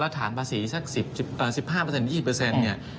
ราฐานภาษีสัก๑๕เปอร์เซ็นต์๒๐เปอร์เซ็นต์เนี่ย